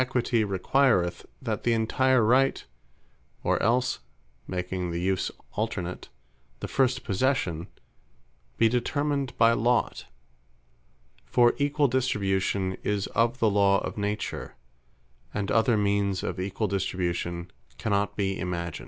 Then, The Law of Nature, which prescribeth Equity, requireth, "That the Entire Right; or else, (making the use alternate,) the First Possession, be determined by Lot." For equall distribution, is of the Law of Nature; and other means of equall distribution cannot be imagined.